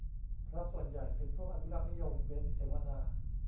เพราะส่วนใหญ่เป็นพวกอนุรักษ์นิยม เว้น เสวนา